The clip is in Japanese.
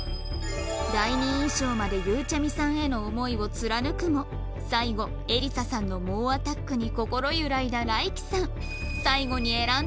第二印象までゆうちゃみさんへの思いを貫くも最後えりささんの猛アタックに心揺らいだ ＲＡｉＫＩ さん